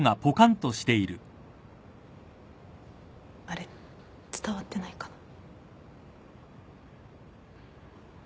あれっ伝わってないかな？